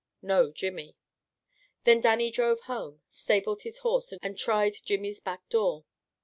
No Jimmy. Then Dannie drove home, stabled his horse, and tried Jimmy's back door.